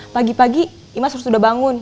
pagi pagi imas harus sudah bangun